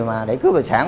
mà để cướp tài sản